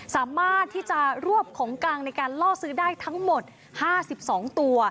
สามารถที่จะรวบของกลางในการล่อซื้อได้ทั้งหมด๕๒ตัว